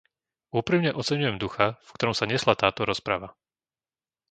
Úprimne oceňujem ducha, v ktorom sa niesla táto rozprava.